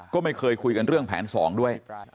ก็ไม่เคยคุยกันเรื่องแผนสองด้วย